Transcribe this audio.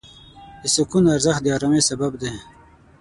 د سکون ارزښت د آرامۍ سبب دی.